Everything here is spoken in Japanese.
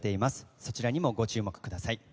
そちらにもご注目ください。